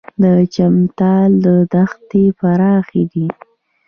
د چمتال دښتې پراخې دي